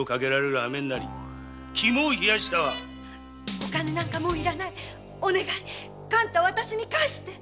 お金なんかもう要らないお願い勘太をあたしに返して。